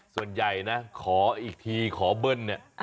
ส่วนใหญ่นะขออีกทีขอเบิ้ลเนี่ย